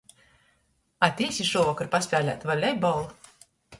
Atīsi šūvokor paspēlēt volejbolu?